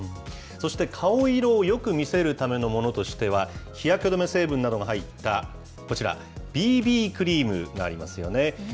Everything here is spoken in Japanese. そして、顔色をよく見せるためのものとしては、日焼け止め成分などが入ったこちら、ＢＢクリームがありますよね。